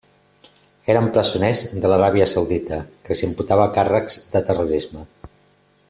Eren presoners de l'Aràbia Saudita que els imputava càrrecs de terrorisme.